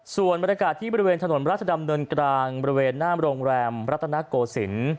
ส่วนบรรยากาศที่บริเวณถนนราชดำเนินกลางบริเวณหน้าโรงแรมรัตนโกศิลป์